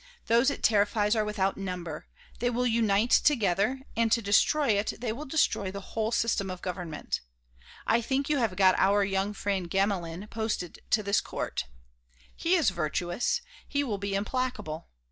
Those it terrifies are without number; they will unite together, and to destroy it they will destroy the whole system of government. I think you have got our young friend Gamelin posted to this court. He is virtuous; he will be implacable.